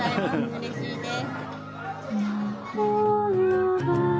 うれしいです。